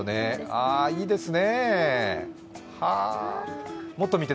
ああ、いいですね。